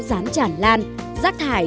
rán chản lan rác thải